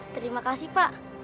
terima kasih pak